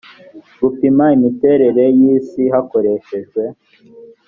gupima imiterere y isi hakoreshejwe